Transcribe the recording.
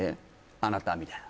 あなた」みたいな